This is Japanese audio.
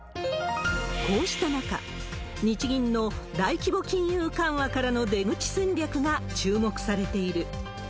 こうした中、日銀の大規模金融緩和からの出口戦略が注目されている。